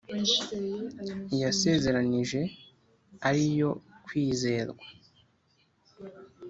Iyasezeranije ari iyo kwizerwa